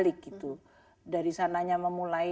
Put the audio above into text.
untuk pengusaha yang keseluruhan